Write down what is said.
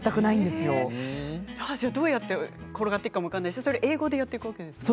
どうやって転がっていくか分からないしそれを英語でやっていくわけですよね。